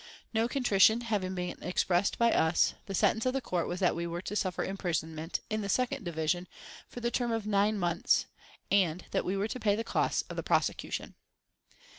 No contrition having been expressed by us, the sentence of the Court was that we were to suffer imprisonment, in the second division, for the term of nine months, and that we were to pay the costs of the prosecution.